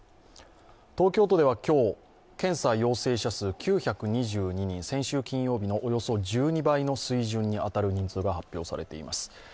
東京都では今日、検査陽性者数９２２人、先週金曜日のおよそ１２倍に当たる人数が発表されています。